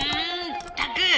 ったく！